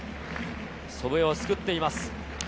祖父江を救っています。